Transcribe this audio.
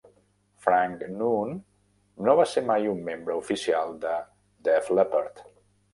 Frank Noon no va ser mai un membre oficial de Def Leppard.